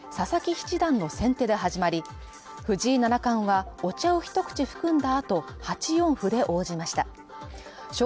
対局は午前９時に佐々木七段の先手で始まり、藤井七冠はお茶を一口含んだ後、８四歩で応じました。